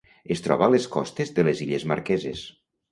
Es troba a les costes de les Illes Marqueses.